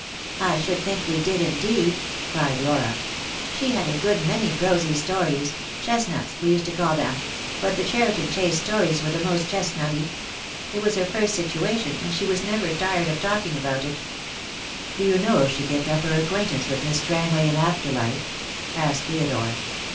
I should think we did, indeed," cried Laura. "She had a good many prosy stories — chestnuts, we used to call them — but the Cheriton Chase stories were the most chest nutty. It was her first situation, and she was never tired of talking about it." "Do you know if she kept up her acquaintance with Miss Strangway in after life?" asked Theodore.